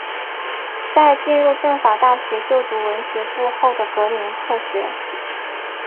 在进入法政大学就读文学部后的隔年辍学。